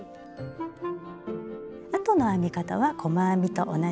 あとの編み方は細編みと同じです。